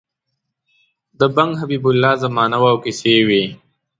د بنګ حبیب الله زمانه وه او کیسې یې وې.